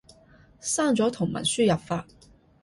刪咗同文輸入法